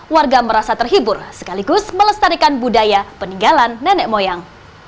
warga merasa terhibur sekaligus melestarikan budaya peninggalan nenek moyang